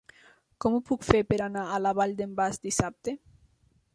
Com ho puc fer per anar a la Vall d'en Bas dissabte?